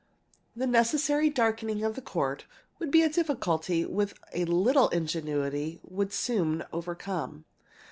The necessary darkening of the Court would be a difficulty which a little ingenuity would soon overcome.